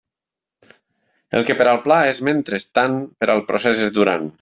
El que per al pla és «mentrestant», per al procés és «durant».